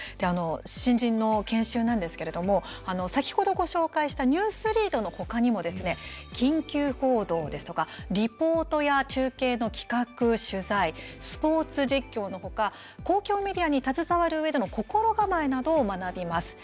新人の研修なんですけれども先ほどご紹介したニュースリードのほかにもですね緊急報道ですとかリポートや中継の企画、取材スポーツ実況のほか公共メディアに携わるうえでの心構えなどを学びます。